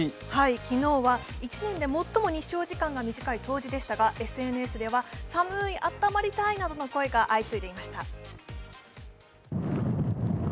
昨日は１年で最も日照時間が短い冬至でしたがＳＮＳでは寒い、あったまりたーいなどの声が相次いでいました。